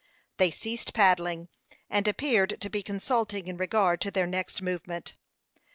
They ceased paddling, and appeared to be consulting in regard to their next movement.